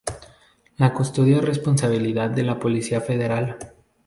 La custodia es responsabilidad de la policía federal.